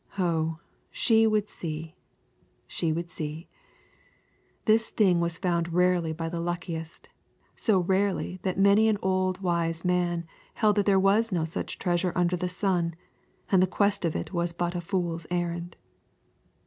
Oh, she would see. She would see. This thing was found rarely by the luckiest, so rarely that many an old wise man held that there was no such treasure under the sun, and the quest of it was but a fool's errand.